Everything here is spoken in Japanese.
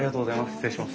失礼します。